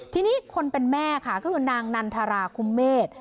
ทีนี้คนเป็นแม่ค่ะก็คือนางนันทราคุมเมษ